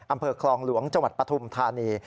อำเภอคลองหลวงจังหวัดปฐุมธานี